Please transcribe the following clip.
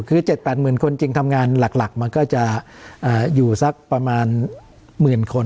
คือ๗๘หมื่นคนจริงทำงานหลักมันก็จะอยู่สักประมาณหมื่นคน